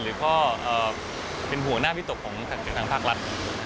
หรือก็เป็นหัวหน้าวิตกของทางภาครัฐ